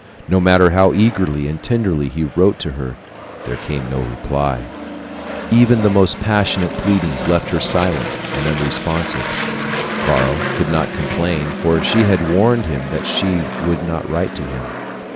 No matter how eagerly and tenderly he wrote to her, there came no reply. Even the most passionate pleadings left her silent and unresponsive. Karl could not complain, for she had warned him that she would not write to him.